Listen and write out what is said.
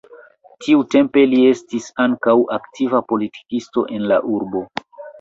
Tiutempe li estis ankaŭ aktiva politikisto en la urbo.